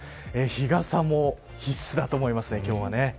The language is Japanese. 日傘も必須だと思いますね今日は。